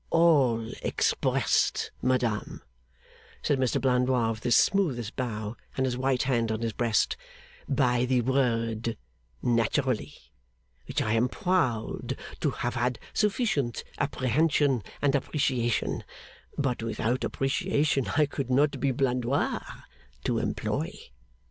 'All expressed, madam,' said Mr Blandois, with his smoothest bow and his white hand on his breast, 'by the word "naturally," which I am proud to have had sufficient apprehension and appreciation (but without appreciation I could not be Blandois) to employ.